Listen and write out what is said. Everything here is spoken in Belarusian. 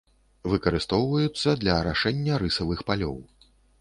Выкарыстоўваюцца для арашэння рысавых палёў.